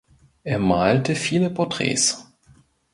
Er malte viele Porträts.